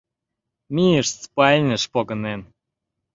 Мийышт спальньыш погынен.